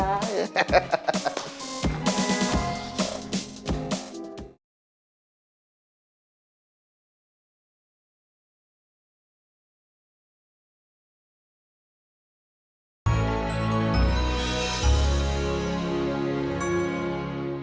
terima kasih udah nonton